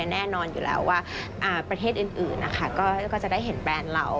แน่นอนอยู่แล้วว่าประเทศอื่นนะคะก็จะได้เห็นแบรนด์เรา